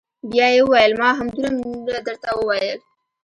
بيا يې وويل ما همدومره درته وويل.